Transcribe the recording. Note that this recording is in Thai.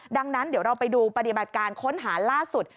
ดังนั้นเดี๋ยวเราไปดูปฏิบัติการค้นหาล่าสุด